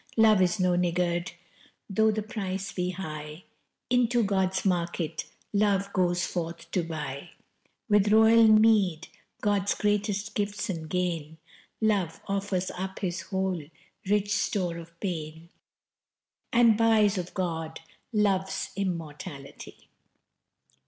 Love is no niggard: though the price be high Into God's market Love goes forth to buy With royal meed God's greatest gifts and gain, Love offers up his whole rich store of pain, And buys of God Love's immortality.